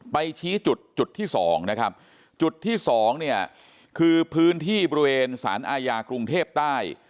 ชี้จุดจุดที่สองนะครับจุดที่สองเนี่ยคือพื้นที่บริเวณสารอาญากรุงเทพใต้